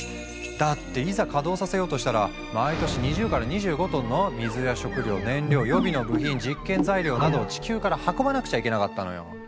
だっていざ稼働させようとしたら毎年２０から２５トンの水や食料燃料予備の部品実験材料などを地球から運ばなくちゃいけなかったのよ。